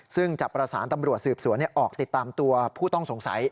ซึ่งจะประสานตำรวจสืบสวนออกติดตามตัวผู้ต้องสงสัย